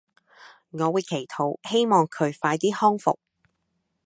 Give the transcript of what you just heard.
我會祈禱希望佢快啲康復